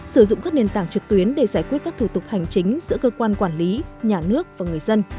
sử dụng các nền tảng trực tuyến để giải quyết các thủ tục hành chính giữa cơ quan quản lý nhà nước và người dân